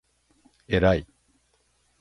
えらい